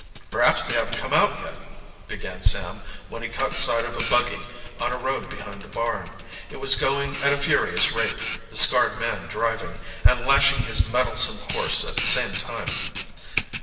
"Perhaps they haven't come out yet," began Sam, when he caught sight of a buggy on a road behind the barn. It was going at a furious rate, the scarred man driving, and lashing his mettlesome horse at the same time.